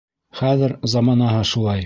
Хәҙер заманаһы шулай.